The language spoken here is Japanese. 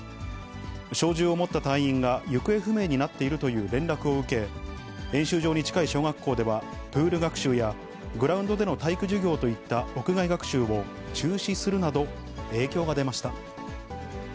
小銃を持った隊員が行方不明になっているという連絡を受け、演習場に近い小学校では、プール学習やグラウンドでの体育授業といった屋外学習を中止するなど、影響が出ました。